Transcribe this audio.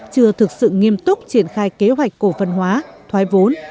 chưa thực sự nghiêm túc triển khai kế hoạch cổ phần hóa thoái vốn